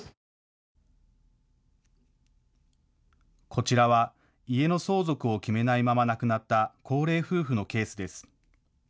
こちらは家の相続を決めないまま亡くなった高齢夫婦のケースです。